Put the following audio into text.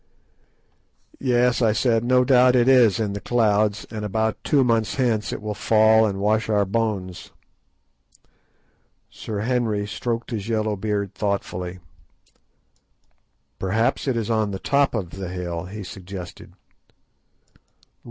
"Yes," I said, "no doubt it is in the clouds, and about two months hence it will fall and wash our bones." Sir Henry stroked his yellow beard thoughtfully. "Perhaps it is on the top of the hill," he suggested.